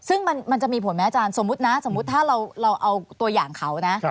ซึ่งมันจะมีผลไหมอาจารย์สมมุตินะสมมุติถ้าเราเอาตัวอย่างเขานะ